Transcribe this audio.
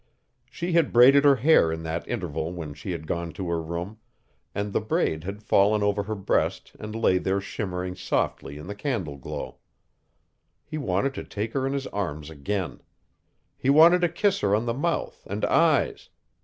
She had braided her hair in that interval when she had gone to her room, and the braid had fallen over her breast and lay there shimmering softly in the candle glow. He wanted to take her in his arms again. He wanted to kiss her on the mouth and eyes.